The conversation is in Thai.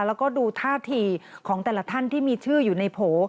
แล้วก็ดูท่าทีของแต่ละท่านที่มีชื่ออยู่ในโผล่